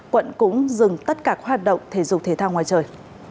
quận cũng dừng tất cả các hoạt động thể dục thể thao ngoài trời